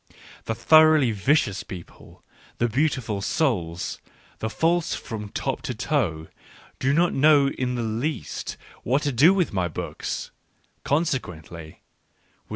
... Thejthoroughly vicious people, the " beautiful souls," the false from top to toe, do not know in the least what to dp „with my books — consequently, with the.